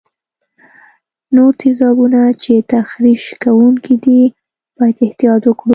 نور تیزابونه چې تخریش کوونکي دي باید احتیاط وکړو.